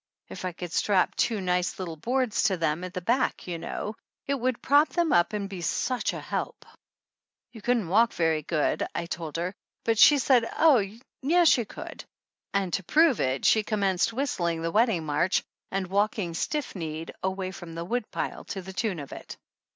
If I could strap two nice little boards to them, at the back, you know, it would prop them up and be such a help !" "You couldn't walk very good," I told her, but she said oh, yes she could; and to prove it she commenced whistling the wedding march and walking stiff kneed away from the woodpile to the tune of it.